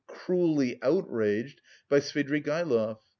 cruelly outraged by Svidrigaïlov.